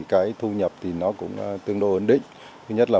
cái thu nhập thì nó cũng tương đối ổn định thứ nhất là